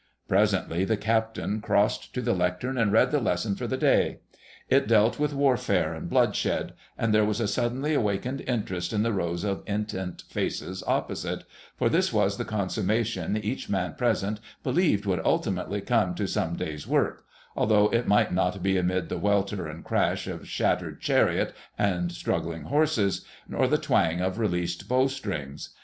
Presently the Captain crossed to the lectern and read the lesson for the day. It dealt with warfare and bloodshed, and there was a suddenly awakened interest in the rows of intent faces opposite—for this was the consummation each man present believed would ultimately come to some day's work, although it might not be amid the welter and crash of shattered chariot and struggling horses, nor the twang of released bow strings....